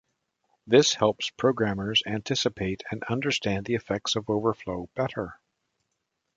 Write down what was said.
This helps programmers anticipate and understand the effects of overflow better.